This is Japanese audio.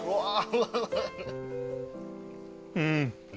うん。